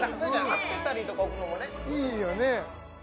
アクセサリーとか置くのもねいいよね